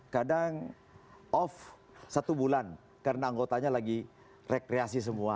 kadang off satu bulan karena anggotanya lagi rekreasi semua